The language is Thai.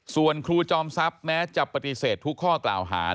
ส่วนครูจอมทรัพย์แม้จะปฏิเสธทุกข้อกล่าวหา